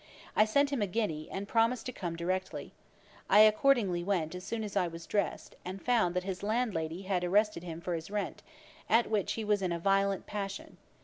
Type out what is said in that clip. I sent him a guinea, and promised to come to him directly. I accordingly went as soon as I was drest, and found that his landlady had arrested him for his rent, at which he was in a violent passion.